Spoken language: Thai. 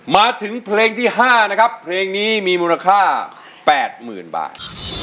มาถึงเพลงที่๕นะครับเพลงนี้มีมูลค่า๘๐๐๐บาท